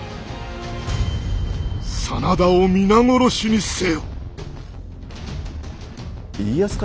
「真田を皆殺しにせよ」。